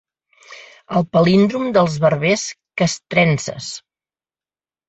El palíndrom dels barbers castrenses.